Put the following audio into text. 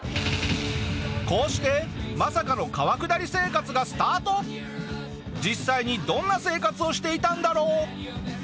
こうしてまさかの実際にどんな生活をしていたんだろう？